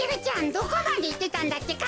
どこまでいってたんだってか。